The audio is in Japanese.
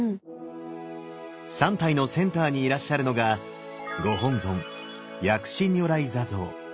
３体のセンターにいらっしゃるのがご本尊薬師如来坐像。